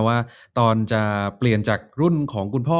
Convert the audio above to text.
ว่าตอนจะเปลี่ยนจากรุ่นของคุณพ่อ